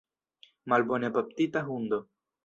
Malbone baptita hundo!